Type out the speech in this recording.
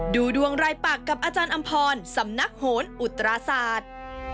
ดูดวงรายปากกับอาจารย์อำพรสำนักโหนอุตราศาสตร์